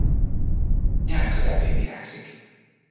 Nyár közepén virágzik.